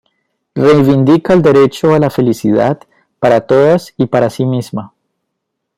Reivindica el derecho a la felicidad para todas y para sí misma.